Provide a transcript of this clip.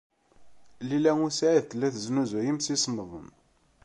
Lila u Saɛid tella tesnuzuy imsisemḍen.